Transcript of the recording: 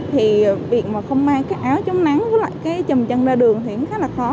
thì việc mà không may cái áo chống nắng với lại cái chầm chân ra đường thì cũng khá là khó